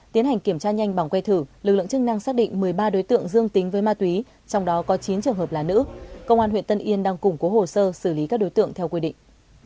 tiến hành kiểm tra nhanh bằng que thử lực lượng chức năng xác định một mươi ba đối tượng dương tính với ma túy trong đó có chín trường hợp là nữ công an huyện tân yên đang củng cố hồ sơ xử lý các đối tượng theo quy định